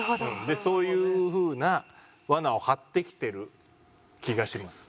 そういう風な罠を張ってきてる気がします。